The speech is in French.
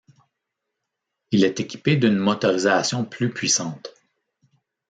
Il est équipé d'une motorisation plus puissante.